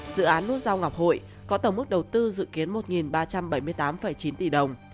dự án nút giao ngọc hội có tổng mức đầu tư dự kiến một ba trăm bảy mươi tám chín tỷ đồng